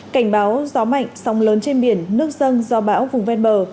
cảnh báo gió mạnh sóng lớn trên biển nước dân do bão vùng ven bờ